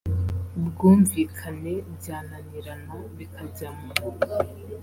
bwumvikane byananirana bikajya mu